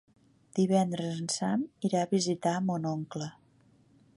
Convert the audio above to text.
Divendres en Sam irà a visitar mon oncle.